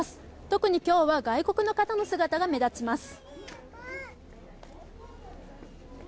特に今日は外国の方の姿が目立ちます。